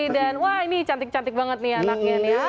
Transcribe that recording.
dan wah ini cantik cantik banget nih anaknya nih